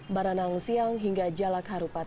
baranang siang hingga jalak harupat